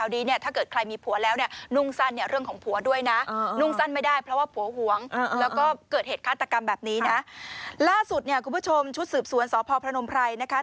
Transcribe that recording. ไม่ได้เพราะว่าผัวหวงแล้วก็เกิดเหตุฆาตกรรมแบบนี้นะล่าสุดเนี่ยคุณผู้ชมชุดสืบสวนศพพระนมไพรนะคะ